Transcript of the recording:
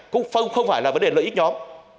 cũng không phải là vấn đề lợi ích nhóm